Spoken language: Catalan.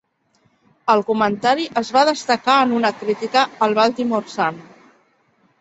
El comentari es va destacar en una crítica al "Baltimore Sun".